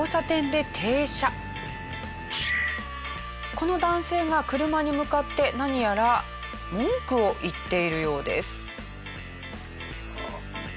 この男性が車に向かって何やら文句を言っているようです。